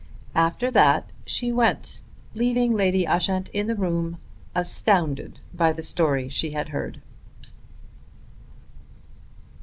After that she went, leaving Lady Ushant in the room astounded by the story she had heard.